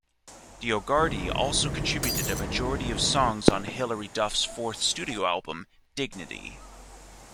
DioGuardi also contributed a majority of songs on Hilary Duff's fourth studio album, "Dignity".